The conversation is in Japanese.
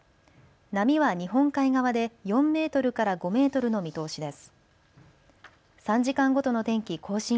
波は日本海側で４メートルから５メートルの見通しです。